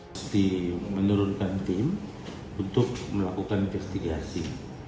mesti menurunkan tim untuk melakukan investigasi